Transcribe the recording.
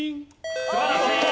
素晴らしい！